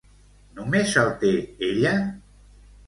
Només el té ella?